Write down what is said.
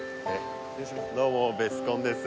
どうもベスコンです